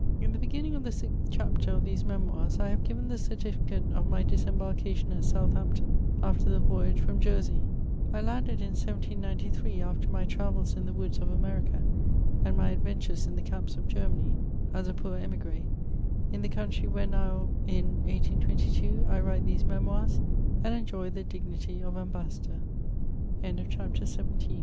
In the beginning of the sixth chapter of these Memoirs I have given the certificate of my disembarkation at Southampton aflter the voyage from Jersey. I landed in 1793, after my travels in the woods of America and my adyentures in the canqps <^ Germany, as a poor ^migrey in the country where now, in 1822, I vnate these Memoirs, and enjoy the dignity of Am^ bassador. CHATEAUBBIAKD.